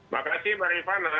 makasih mbak ripana